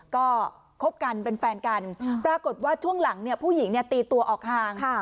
ก็คบกันเป็นแฟนกันปรากฏว่าช่วงหลังเนี่ยผู้หญิงตีตัวออกห่าง